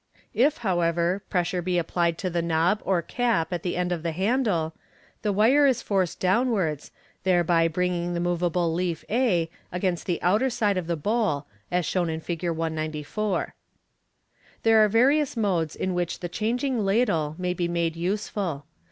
If, however, pres sure be applied to the knob or cap at the end of the handle, the wire is forced downwards, thereby bringing the moveable leaf a against the outer side of the bowl, as shown in Fig. 194. There are various modes in which the changing ladle may be made useful.